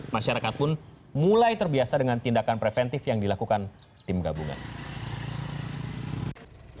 masyarakat pun mulai terbiasa dengan tindakan preventif yang dilakukan tim gabungan